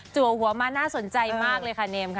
หัวมาน่าสนใจมากเลยค่ะเนมค่ะ